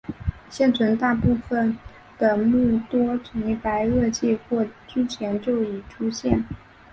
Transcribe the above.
现存大部分的目多在白垩纪或之前就已出现。